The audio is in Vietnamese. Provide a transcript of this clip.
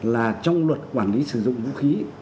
là trong luật quản lý sử dụng vũ khí